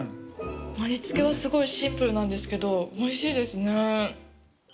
味付けはすごいシンプルなんですけどおいしいですね。